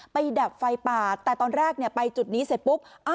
ดับไฟป่าแต่ตอนแรกไปจุดนี้เสร็จปุ๊บ